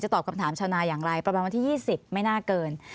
ตอบคำถามชาวนาอย่างไรประมาณวันที่๒๐ไม่น่าเกิน